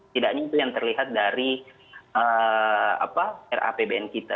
tidak hanya itu yang terlihat dari rapbn kita